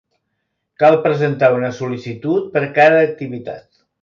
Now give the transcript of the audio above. Cal presentar una sol·licitud per a cada activitat.